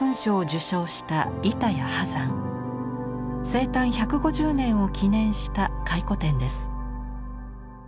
生誕１５０年を記念した回顧展です。